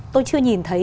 tôi chưa nhìn thấy